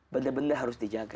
benar benar harus dijaga